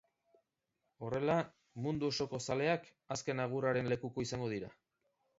Horrela, mundu osoko zaleak azken agurraren lekuko izango dira.